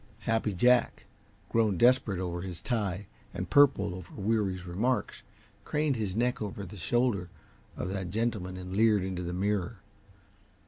Happy Jack, grown desperate over his tie and purple over Weary's remarks, craned his neck over the shoulder of that gentleman and leered into the mirror.